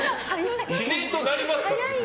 自然となりますから。